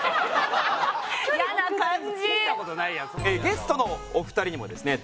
ゲストのお二人にもですね